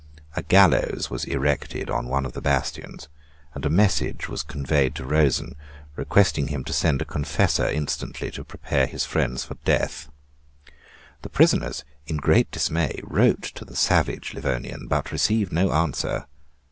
A gallows was erected on one of the bastion; and a message was conveyed to Rosen, requesting him to send a confessor instantly to prepare his friends for death. The prisoners in great dismay wrote to the savage Livonian, but received no answer.